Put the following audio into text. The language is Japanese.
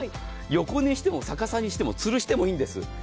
横にしても逆さにしてもつるしてもいいんです。